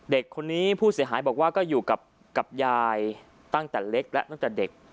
เด็กคนนี้ผู้เสียหายบอกว่าก็อยู่กับยายตั้งแต่เล็กและตั้งแต่เด็ก